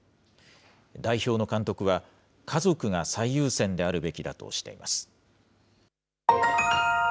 代表の監督は、家族が最優先であるべきだとしています。